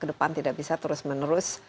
kedepan tidak bisa terus menerus